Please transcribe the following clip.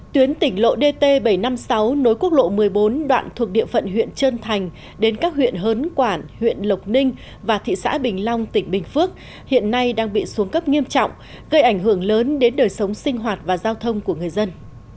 tuyến tỉnh lộ dt bảy trăm năm mươi sáu nối quốc lộ một mươi bốn đoạn thuộc địa phận huyện trơn thành đến các huyện hớn quản huyện lộc ninh và thị xã bình long tỉnh bình phước hiện nay đang bị xuống cấp nghiêm trọng gây ảnh hưởng lớn đến đời sống sinh hoạt và giao thông của người dân